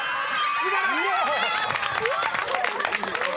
素晴らしい！